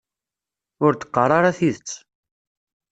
Ur d-qqar ara tidet.